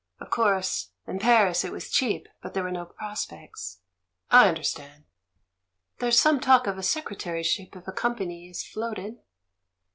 Of course, in Paris it was cheap, but there were no prospects." "I understand." "There's some talk of a secretaryship if a company is floated."